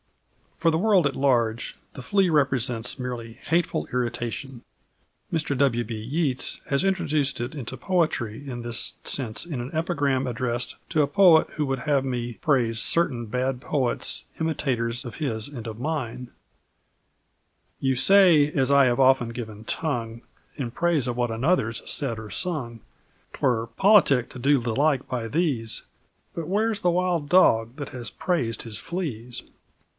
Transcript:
For the world at large, the flea represents merely hateful irritation. Mr W.B. Yeats has introduced it into poetry in this sense in an epigram addressed "to a poet who would have me praise certain bad poets, imitators of his and of mine": You say as I have often given tongue In praise of what another's said or sung, 'Twere politic to do the like by these, But where's the wild dog that has praised his fleas?